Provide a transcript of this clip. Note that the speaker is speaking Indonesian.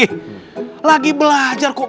mereka tuh udah gak bisa ditolerasi lagi